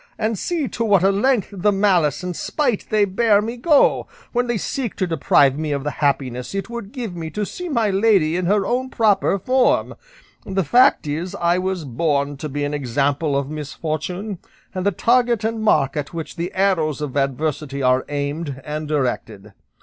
And see to what a length the malice and spite they bear me go, when they seek to deprive me of the happiness it would give me to see my lady in her own proper form. The fact is I was born to be an example of misfortune, and the target and mark at which the arrows of adversity are aimed and directed.